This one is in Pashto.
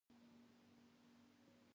افغانستان کې د ژبو د پرمختګ هڅې روانې دي.